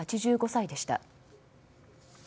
８５歳でした。